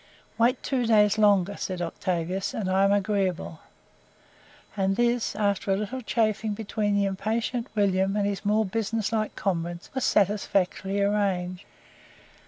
"Wait two days longer," said Octavius "and I am agreeable." And this, after a little chaffing between the impatient William and his more business like comrades, was satisfactorily arranged.